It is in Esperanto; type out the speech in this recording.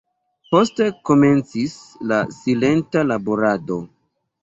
Poste komencis la silenta laborado.